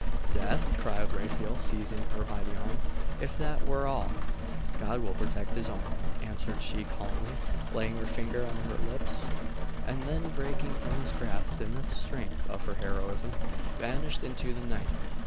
'Death?' cried Raphael, seizing her by the arm. 'If that were all ' 'God will protect His own,' answered she calmly, laying her finger on her lips; and then breaking from his grasp in the strength of her heroism, vanished into the night.